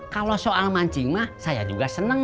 kalo soal mancing mah saya juga seneng